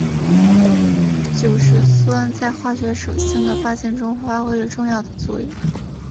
酒石酸在化学手性的发现中发挥了重要的作用。